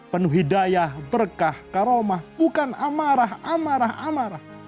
penuh hidayah berkah karomah bukan amarah amarah amarah